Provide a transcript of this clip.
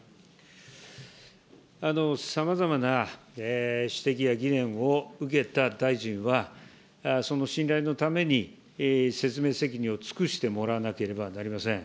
さまざまな指摘や疑念を受けた大臣は、その信頼のために、説明責任を尽くしてもらわなければなりません。